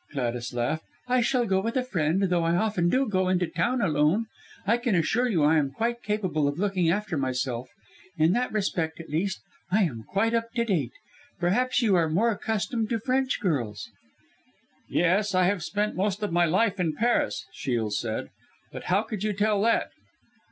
Gladys laughed, "I shall go with a friend, though I often do go into Town alone. I can assure you I am quite capable of looking after myself. In that respect, at least, I am quite up to date. Probably you are more accustomed to French girls?" "Yes! I have spent most of my life in Paris," Shiel said. "But how could you tell that?"